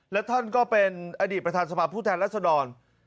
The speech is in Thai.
และท่านก็เป็นอดีตประธานสภาพผู้แทนรัศดร